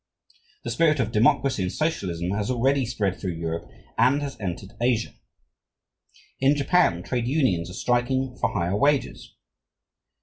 The spirit of democracy and socialism has already spread through Europe and has entered Asia. In Japan, trade unions are striking for higher wages.